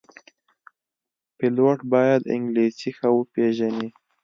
پیلوټ باید انګلیسي ښه وپېژني.